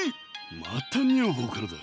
また女房からだ。